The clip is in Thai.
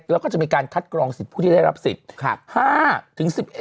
แล้วก็จะมีการคัดกรองสิทธิ์ผู้ที่ได้รับสิทธิ์